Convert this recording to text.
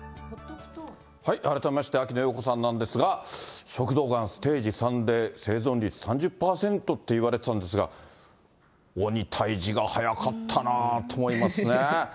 改めまして秋野暢子さんなんですが、食道がんステージ３で、生存率３０％って言われてたんですが、鬼退治が早かったなーと思いますね。